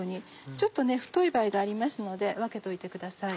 ちょっと太い場合がありますので分けといてください。